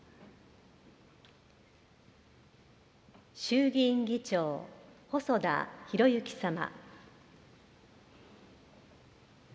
衆議院議長、細田博之様。